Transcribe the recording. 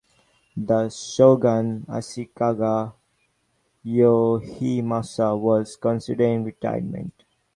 The shogun, Ashikaga Yoshimasa, was considering retirement.